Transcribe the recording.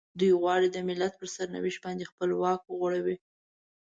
دوی غواړي د ملت پر سرنوشت باندې خپل واک وغوړوي.